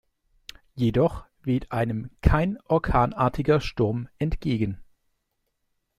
Jedoch weht einem kein orkanartiger Sturm entgegen.